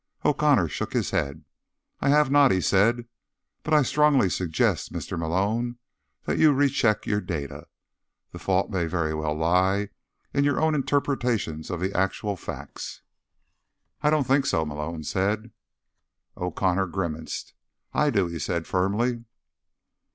O'Connor shook his head. "I have not," he said. "But I strongly suggest, Mr. Malone, that you recheck your data. The fault may very well lie in your own interpretations of the actual facts." "I don't think so," Malone said. O'Connor grimaced. "I do," he said firmly.